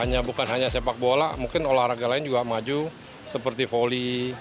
ya bukan hanya sepak bola mungkin olahraga lain juga maju seperti voli